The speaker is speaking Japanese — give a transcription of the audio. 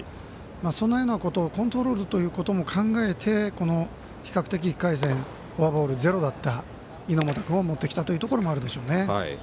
そのようなところをコントロールということも考えて比較的１回戦フォアボール、ゼロだった猪俣君を持ってきたということもあるでしょうね。